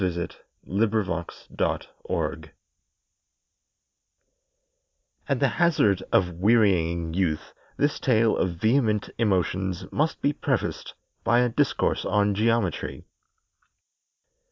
XIV SQUARING THE CIRCLE At the hazard of wearying you this tale of vehement emotions must be prefaced by a discourse on geometry.